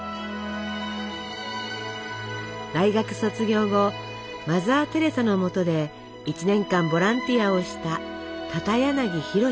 大学卒業後マザー・テレサのもとで１年間ボランティアをした片柳弘史神父。